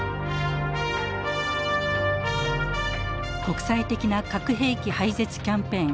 国際的な核兵器廃絶キャンペーン